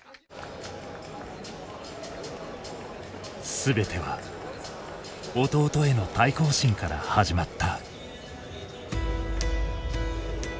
全ては弟への対抗心から始まった。